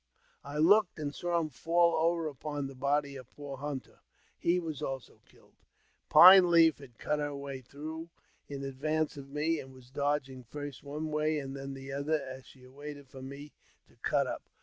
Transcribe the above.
I looked and saw him fall over upon the body of poor Hunter ; he was also killed. Pine Leaf had cut her way through in advance of me, and was dodging first one way and then the other, as she awaited for me to cut up.